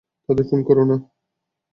তাদেরকে ফোন করো না।